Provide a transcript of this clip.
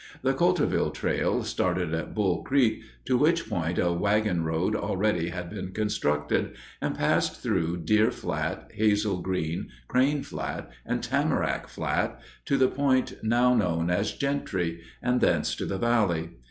The Coulterville Trail started at Bull Creek, to which point a wagon road already had been constructed, and passed through Deer Flat, Hazel Green, Crane Flat, and Tamarack Flat to the point now known as Gentry, and thence to the valley.